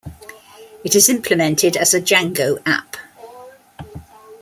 It is implemented as a Django app.